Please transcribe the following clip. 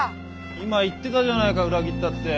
今言ってたじゃないか裏切ったって。